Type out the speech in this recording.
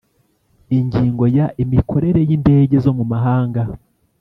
Ingingo ya Imikorere y indege zo mu mahanga